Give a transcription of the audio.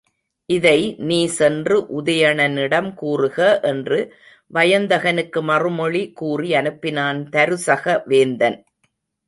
இதை நீ சென்று உதயணனிடம் கூறுக என்று வயந்தகனுக்கு மறுமொழி கூறி அனுப்பினான் தருசக வேந்தன்.